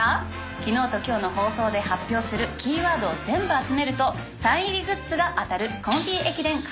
昨日と今日の放送で発表するキーワードを全部集めるとサイン入りグッズが当たる。